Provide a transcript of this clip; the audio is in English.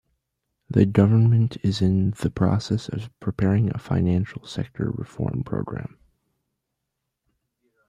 The Government is in the process of preparing a financial sector reform program.